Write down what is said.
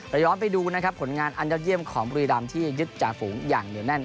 ย้อนไปดูนะครับผลงานอันยอดเยี่ยมของบุรีรำที่ยึดจ่าฝูงอย่างเหนียวแน่น